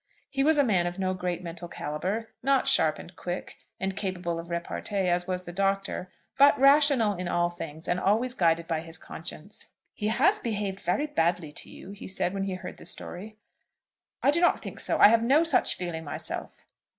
He was a man of no great mental calibre, not sharp, and quick, and capable of repartee as was the Doctor, but rational in all things, and always guided by his conscience. "He has behaved very badly to you," he said, when he heard the story. "I do not think so; I have no such feeling myself."